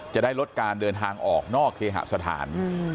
จะได้ลดการเดินทางออกนอกเคหสถาน